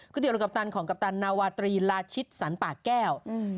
เตี๋หรือกัปตันของกัปตันนาวาตรีราชิตสันป่าแก้ว